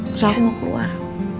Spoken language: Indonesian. terus aku mau keluar